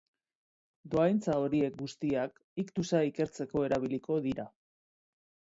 Dohaintza horiek guztiak iktusa ikertzeko erabiliko dira.